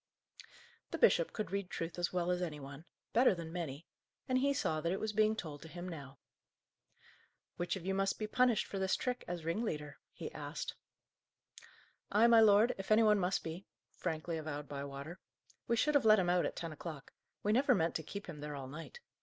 The bishop could read truth as well as any one better than many and he saw that it was being told to him now. "Which of you must be punished for this trick as ringleader?" he asked. "I, my lord, if any one must be," frankly avowed Bywater. "We should have let him out at ten o'clock. We never meant to keep him there all night.